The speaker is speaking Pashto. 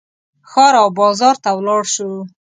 ښار او بازار ته ولاړ شو.